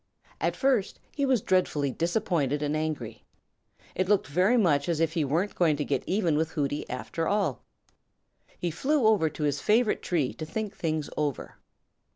At first he was dreadfully disappointed and angry. It looked very much as if he weren't going to get even with Hooty after all. He flew over to his favorite tree to think things over.